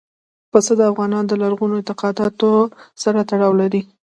پسه د افغانانو له لرغونو اعتقاداتو سره تړاو لري.